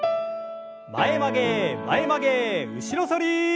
前曲げ前曲げ後ろ反り。